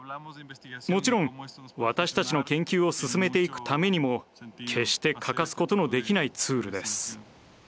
もちろん私たちの研究を進めていくためにも決して欠かすことのできないツールです。